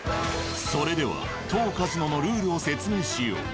それでは当カジノのルールを説明しよう。